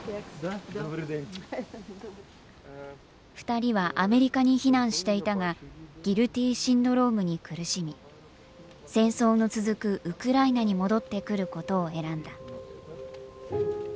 ２人はアメリカに避難していたがギルティシンドロームに苦しみ戦争の続くウクライナに戻ってくることを選んだ。